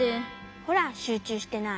ほらしゅうちゅうしてない。